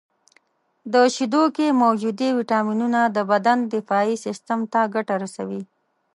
• د شیدو کې موجودې ویټامینونه د بدن دفاعي سیستم ته ګټه رسوي.